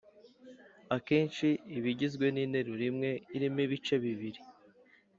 Akenshi iba igizwe n’interuro imwe irimo ibice bibiri